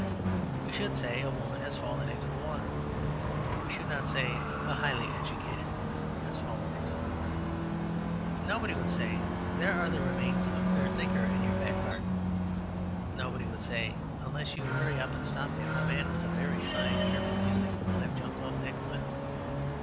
We should say, "A woman has fallen into the water." We should not say, "A highly educated woman has fallen into the water." Nobody would say, "There are the remains of a clear thinker in your back garden." Nobody would say, "Unless you hurry up and stop him, a man with a very fine ear for music will have jumped off that cliff."